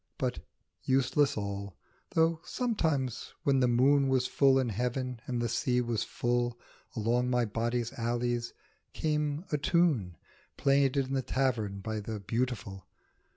But useless all, though sometimes when the moon Was full in heaven and the sea was full, Along my body's alleys came a tune Played in the tavern by the Beautiful.